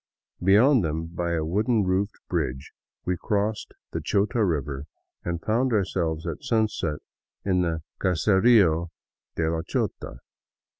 Beyond them, by a wooden roofed bridge, we crossed the Chota river and found ourselves at sunset in the " Caserio de la Chota."